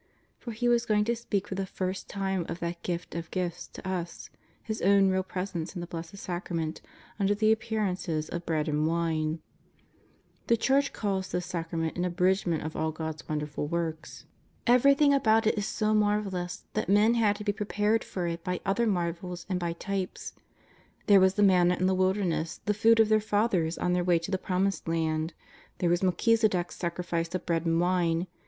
For Ho was going to speak for the first time of that Gift of gifts to us, His own Real Presence in the Blessed Sacra ment under the appearances of bread and wine. The Church calls this Sacrament an abridgment of all God's wonderful works. Everything about it is 244 SEEKING OUR HEARTS. " Behold, I stand at the gate, and knock." — Rev. 3. 20. THE PU'EI, JESUS OF T7AZAEETH. 247 BO marvellous that men had to be prepared for it by other marvels and by types. There was the manna in the wilderness, the food of their fathers on their way to the Promised Land. There was Melchisedech's sac rifice of bread and wine.